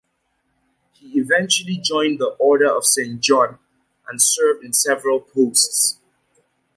He eventually joined the Order of Saint John, and served in several posts.